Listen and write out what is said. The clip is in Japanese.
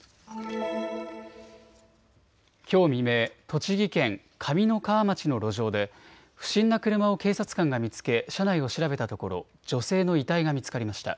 きょう未明、栃木県上三川町の路上で不審な車を警察官が見つけ車内を調べたところ女性の遺体が見つかりました。